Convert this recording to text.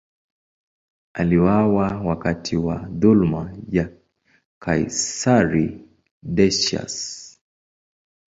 Aliuawa wakati wa dhuluma ya kaisari Decius.